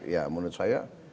ya menurut saya